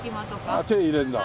ああ手入れるんだ。